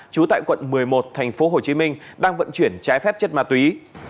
chú tại quận một mươi một thành phố hồ chí minh đang vận chuyển trái phép chất ma túy